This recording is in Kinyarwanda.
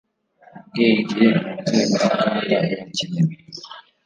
ubwenge mu nzego z inganda burakenewe